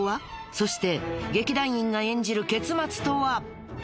そして劇団員が演じる結末とは！？